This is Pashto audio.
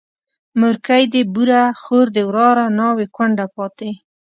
مورکۍ دي بوره، خور دي وراره، ناوې کونډه پاته